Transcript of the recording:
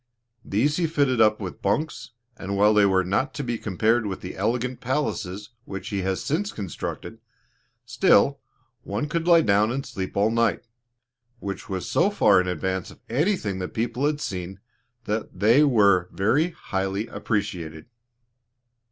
These he fitted up with bunks, and while they were not to be compared with the elegant palaces which he has since constructed, still one could lie down and sleep all night, which was so far in advance of anything the people had seen, that they were very highly appreciated.